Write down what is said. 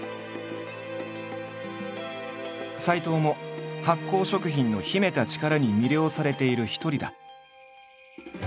斎藤も発酵食品の秘めた力に魅了されている一人だ。